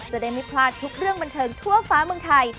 จะได้ไม่พลาดทุกเรื่องบันเทิงทั่วฟ้าเมืองไทย